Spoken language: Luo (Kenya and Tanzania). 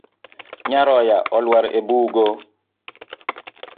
Nyaroya olwar e bugo.